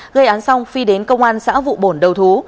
gây án xong phi đến công an xã vụ bổn đầu thú